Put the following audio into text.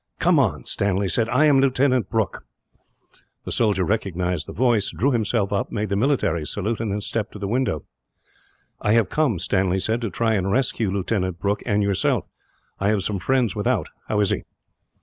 "Come on," Stanley said. "I am Lieutenant Brooke." The soldier recognized the voice, drew himself up, made the military salute, and then stepped to the window. "I have come," Stanley said, "to try and rescue Lieutenant Brooke, and yourself. I have some friends without. How is he?"